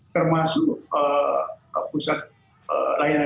termasuk pusat layanan